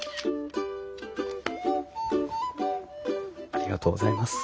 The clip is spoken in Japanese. ありがとうございます。